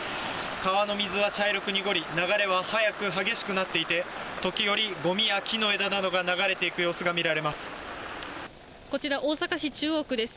川の水は茶色く濁り、流れは速く激しくなっていて、時折、ごみや木の枝などが流れてこちら、大阪市中央区です。